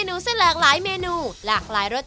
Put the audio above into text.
ขอบพระคุณครับ